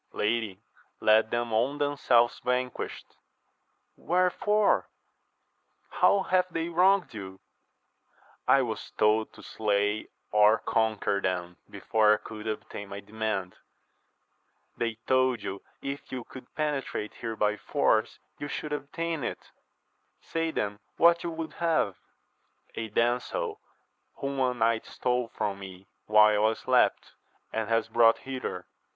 Lady, let them own themselves vanquished.— rWherefore ? how have they wronged you ?— I was told to slay or con quer them before I could obtain my demand. — ^They told you if you could penetrate here by force you should obtain it : say then what you would have. — ^A damsel, whom a knight stole from me while I slept, and has brought hither.